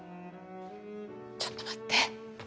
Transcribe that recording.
ちょっと待って。